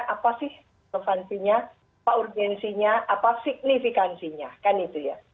apa sih inlevasinya apa urgensinya apa signifikansinya kan itu ya